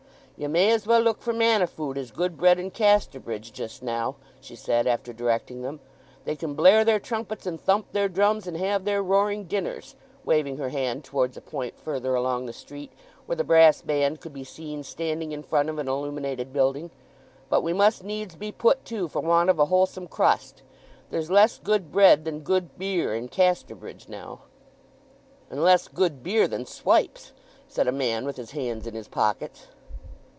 "Ye may as well look for manna food as good bread in Casterbridge just now," she said, after directing them. "They can blare their trumpets and thump their drums, and have their roaring dinners"—waving her hand towards a point further along the street, where the brass band could be seen standing in front of an illuminated building—"but we must needs be put to for want of a wholesome crust. There's less good bread than good beer in Casterbridge now." "And less good beer than swipes," said a man with his hands in his pockets.